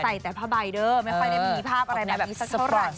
ใส่แต่ผ้าใบเด้อไม่ค่อยได้มีภาพอะไรแบบนี้สักเท่าไหร่